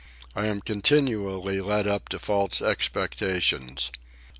I am continually led up to false expectations.